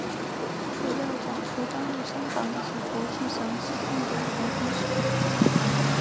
主要讲述当日香港以及国际详细重点财经新闻。